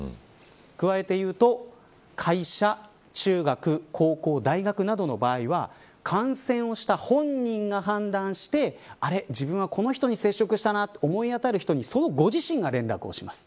加えていうと会社、中学、高校大学などの場合は感染した本人が判断して自分は、この人に接触したなと思い当たる人にそのご自身が連絡します。